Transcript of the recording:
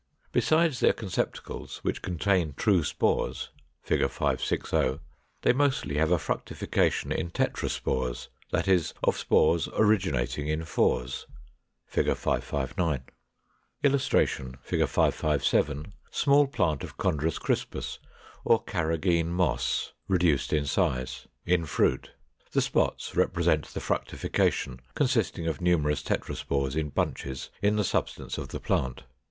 Besides their conceptacles, which contain true spores (Fig. 560), they mostly have a fructification in Tetraspores, that is, of spores originating in fours (Fig. 559). [Illustration: Fig. 557. Small plant of Chondrus crispus, or Carrageen Moss, reduced in size, in fruit; the spots represent the fructification, consisting of numerous tetraspores in bunches in the substance of the plant.